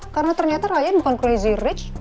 karena ternyata ryan bukan crazy rich